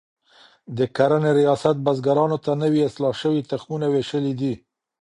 د کرنې ریاست بزګرانو ته نوي اصلاح شوي تخمونه ویشلي دي.